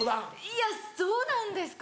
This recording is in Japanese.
いやそうなんですか？